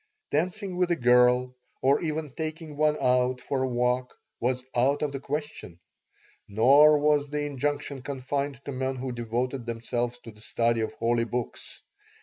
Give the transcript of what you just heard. Dancing with a girl, or even taking one out for a walk, was out of the question. Nor was the injunction confined to men who devoted themselves to the study of holy books.